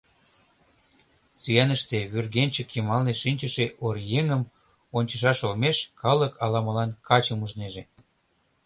Сӱаныште вӱргенчык йымалне шинчыше оръеҥым ончышаш олмеш калык ала-молан качым ужнеже.